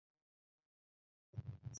এটিই খেলার শেষ পর্ব।